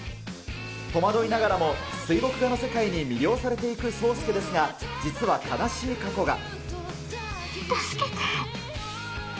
戸惑いながらも水墨画の世界に魅了されていく霜介ですが、実は悲しい過去が。